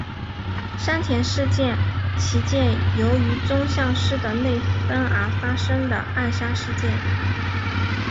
山田事件其间由于宗像氏的内纷而发生的暗杀事件。